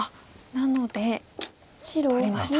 なので取りました。